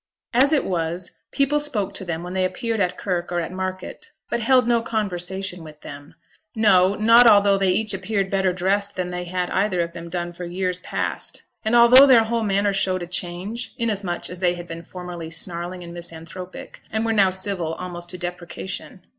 As it was, people spoke to them when they appeared at kirk or at market, but held no conversation with them; no, not although they each appeared better dressed than they had either of them done for years past, and although their whole manner showed a change, inasmuch as they had been formerly snarling and misanthropic, and were now civil almost to deprecation.